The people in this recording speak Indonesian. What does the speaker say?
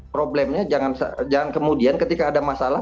problemnya jangan kemudian ketika ada masalah